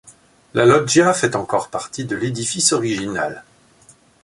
La loggia fait encore partie de l’édifice original.